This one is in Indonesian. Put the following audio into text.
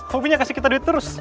hobinya kasih kita duit terus